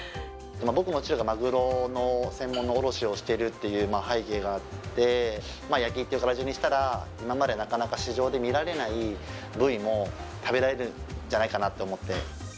僕の父がマグロの専門の卸をしているっていう背景があって、焼きという形にしたら、今までなかなか市場で見られない部位も食べられるんじゃないかなと思って。